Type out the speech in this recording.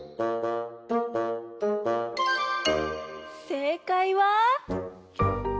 せいかいは！